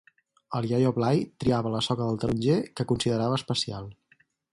El iaio Blai triava la soca de taronger que considerava especial.